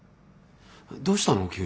どうしたの？